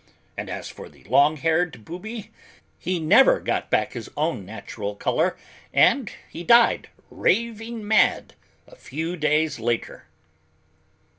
And as for the long haired booby, he never got back his own natural color and he died, raving mad, a few days later."